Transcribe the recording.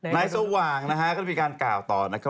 สว่างนะฮะก็ได้มีการกล่าวต่อนะครับ